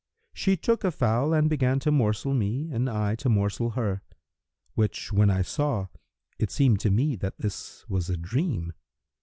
She took a fowl and began to morsel me and I to morsel her; which when I saw, it seemed to me that this was a dream.